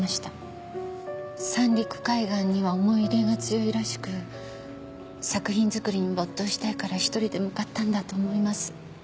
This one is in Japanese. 三陸海岸には思い入れが強いらしく作品作りに没頭したいから１人で向かったんだと思います。